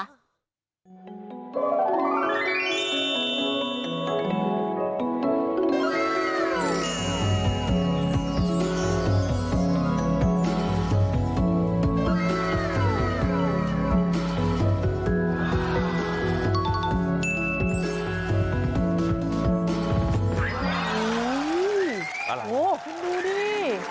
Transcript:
โหคุณดูดิ